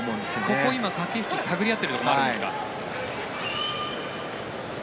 ここ、今、駆け引き探り合っているところですか。